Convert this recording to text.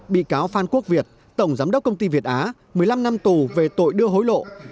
bị cáo phan quốc việt tổng giám đốc công ty việt á một mươi năm năm tù về tội đưa hối lộ